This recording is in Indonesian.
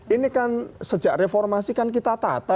ini kan sejak reformasi kan kita tata